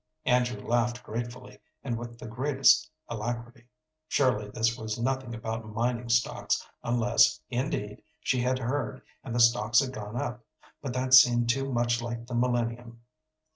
Andrew laughed gratefully, and with the greatest alacrity. Surely this was nothing about mining stocks, unless, indeed, she had heard, and the stocks had gone up, but that seemed to much like the millennium.